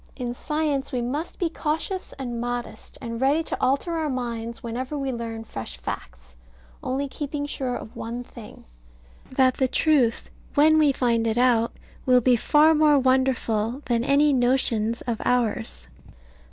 In science we must be cautious and modest, and ready to alter our minds whenever we learn fresh facts; only keeping sure of one thing, that the truth, when we find it out, will be far more wonderful than any notions of ours.